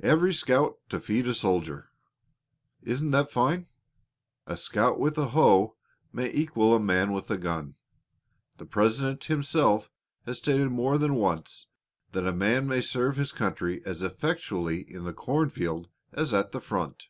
'Every Scout to Feed a Soldier!' Isn't that fine? A scout with a hoe may equal a man with a gun. The President himself has stated more than once that a man may serve his country as effectually in the corn field as at the front.